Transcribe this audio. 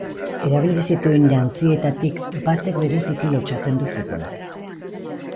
Erabili zituen jantzietatik batek bereziki lotsatzen du futbolaria.